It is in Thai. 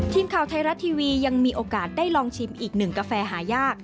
ทีมข่าวไทยรัฐทีวียังมีโอกาสได้ลองชิมอีกหนึ่งกาแฟหายาก